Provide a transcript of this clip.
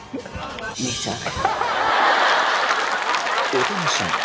お楽しみに！